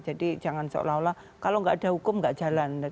jadi jangan seolah olah kalau nggak ada hukum nggak jalan